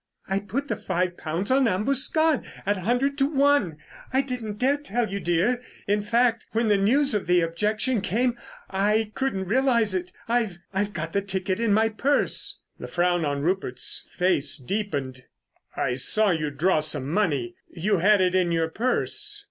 "I put the five pounds on Ambuscade at a hundred to one. I didn't dare tell you, dear—in fact, when the news of the objection came I couldn't realise it. I've—I've got the ticket in my purse." The frown on Rupert's face deepened. "I saw you draw some money—you had it in your purse."